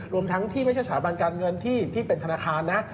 รวมทั้งที่ไม่ใช่สถาบันการเงินที่เป็นธนาคารนะ